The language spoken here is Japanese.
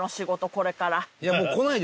これから。